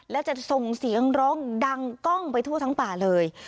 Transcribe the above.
และจะส่งเสียงร้องดังกล้องไปทั่วทั้งป่าเลย